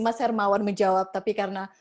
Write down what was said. mas hermawan menjawab tapi karena